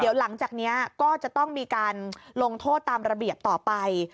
เดี๋ยวหลังจากนี้ก็จะต้องมีการลงโทษตามระเบียบต่อไป